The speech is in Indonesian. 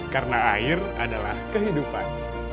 karena air adalah kehidupan